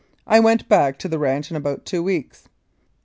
I went back to the ranch in about two weeks.